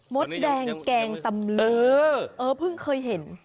มดแดงแกงตำเลอเออเพิ่งเคยเห็น